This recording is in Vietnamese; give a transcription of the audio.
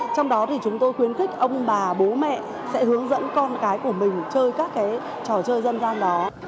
trong đó thì chúng tôi khuyến khích ông bà bố mẹ sẽ hướng dẫn con cái của mình chơi các cái trò chơi dân gian đó